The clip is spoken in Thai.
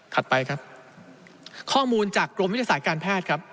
ไปครับข้อมูลจากกรมวิทยาศาสตร์การแพทย์ครับ